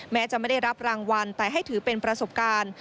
แม้จะไม่ได้รับรางวัลแต่ให้ถือเป็นประสบการณ์